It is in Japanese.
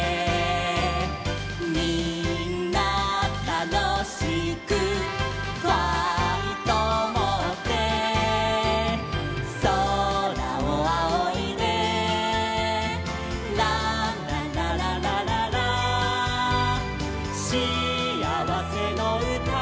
「みんなたのしくファイトをもって」「そらをあおいで」「ランララララララ」「しあわせのうた」